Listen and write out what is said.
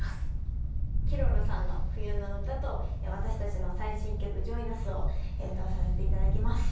Ｋｉｒｏｒｏさんの「冬のうた」と私たちの最新曲「ＪｏｉｎＵｓ！」を歌わさせて頂きます。